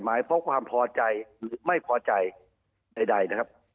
หมายเพราะความพอใจหรือไม่พอใจใดนะครับ